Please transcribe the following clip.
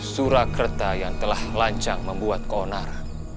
surakerta yang telah melancang membuat konar